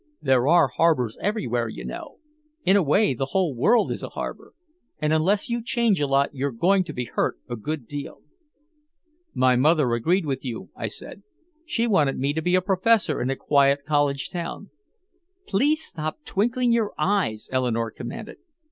There are harbors everywhere, you know in a way the whole world is a harbor and unless you change a lot you're going to be hurt a good deal." "My mother agreed with you," I said. "She wanted me to be a professor in a quiet college town." "Please stop twinkling your eyes," Eleanore commanded.